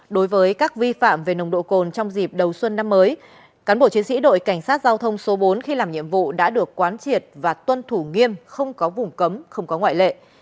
đối với các vi phạm về nồng độ cồn trong dịp đầu xuân năm mới cán bộ chiến sĩ đội cảnh sát giao thông số bốn khi làm nhiệm vụ đã được quán triệt và tuân thủ nghiêm không có vùng cấm không có ngoại lệ